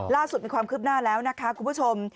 ล่าสุดมีความคืบหน้าแล้วนะคะคุณผู้ชม